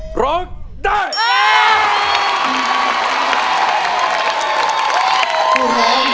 ครู